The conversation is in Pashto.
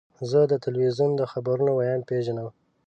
زه د تلویزیون د خبرونو ویاند پیژنم.